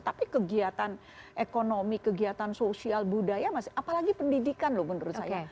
tapi kegiatan ekonomi kegiatan sosial budaya apalagi pendidikan loh menurut saya